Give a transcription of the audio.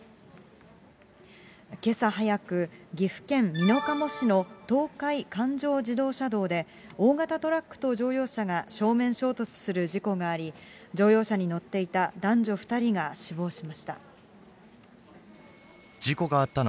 けさ早く、岐阜県美濃加茂市の東海環状自動車道で、大型トラックと乗用車が正面衝突する事故があり、乗用車に乗っていた男女２人が死亡しました。